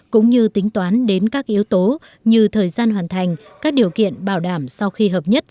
cũng như tính toán đến các yếu tố như thời gian hoàn thành các điều kiện bảo đảm sau khi hợp nhất